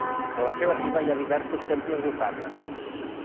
A la seva riba hi ha diversos temples notables.